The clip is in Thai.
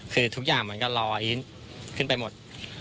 คือทุกอย่างมันก็ลอยขึ้นไปหมด